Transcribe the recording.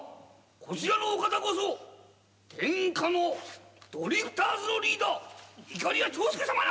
こちらのお方こそ天下のドリフターズのリーダーいかりや長介さまなるぞ。